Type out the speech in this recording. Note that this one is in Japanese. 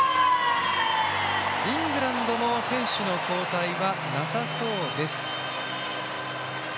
イングランドも選手の交代はなさそうです。